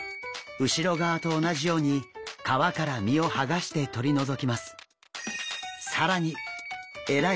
後ろ側と同じように皮から身をはがしてとり除きます。